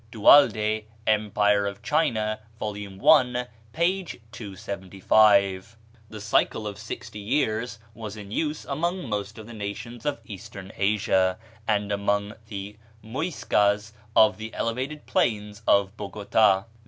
(Du Halde, "Empire of China," vol. i., p. 275.) The cycle of sixty years was in use among most of the nations of Eastern Asia, and among the Muyscas of the elevated plains of Bogota.